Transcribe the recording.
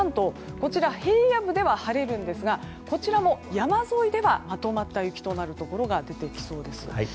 こちら、平野部では晴れるんですがこちらも山沿いではまとまった雪となるところが出てきそうです。